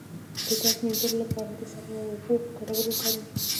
د درد د مینځلو لپاره د صبر او اوبو ګډول وکاروئ